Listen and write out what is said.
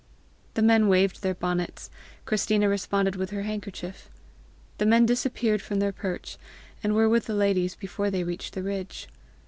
The men waved their bonnets. Christina responded with her handkerchief. The men disappeared from their perch, and were with the ladies before they reached the ridge.